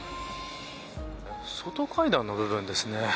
外階段の部分ですね。